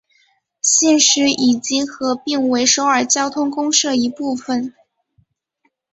现时已经合并为首尔交通公社一部分。